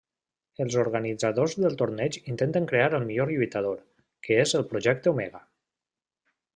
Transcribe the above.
Els organitzadors del torneig intenten crear el millor lluitador, que és el projecte Omega.